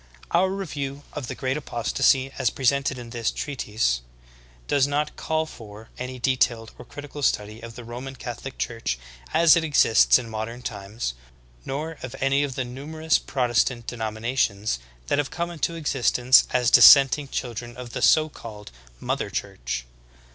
23. Our review of the Great Apostasy as presented in this treatise, does not call for any detailed or critical study of the Roman Catholic Church as it exists in modern times. nor of any of the numerous Protestant denominations that have come into existence as dissenting children of the so called "Mother Church."